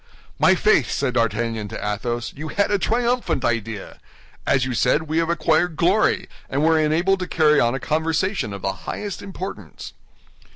"My faith," said D'Artagnan to Athos, "you had a triumphant idea! As you said, we have acquired glory, and were enabled to carry on a conversation of the highest importance."